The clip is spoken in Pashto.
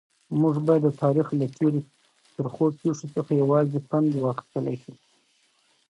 موږ باید د تاریخ له تېرو ترخو پیښو څخه یوازې پند واخیستلای شو.